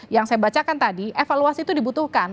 yang saya bacakan tadi evaluasi itu dibutuhkan